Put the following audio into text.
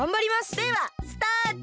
ではスタート！